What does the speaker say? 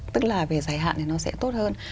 tức là về dài hạn thì nó sẽ tốt hơn